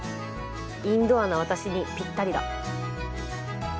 インドアな私にぴったりだ。